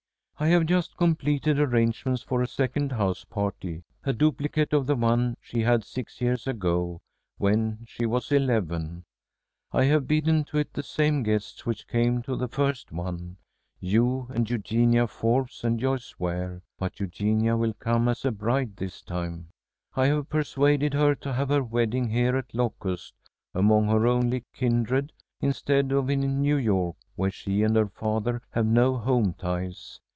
I have just completed arrangements for a second house party, a duplicate of the one she had six years ago, when she was eleven. I have bidden to it the same guests which came to the first one, you and Eugenia Forbes and Joyce Ware, but Eugenia will come as a bride this time. I have persuaded her to have her wedding here at Locust, among her only kindred, instead of in New York, where she and her father have no home ties.